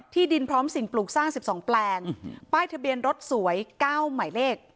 ดินพร้อมสิ่งปลูกสร้าง๑๒แปลงป้ายทะเบียนรถสวย๙หมายเลข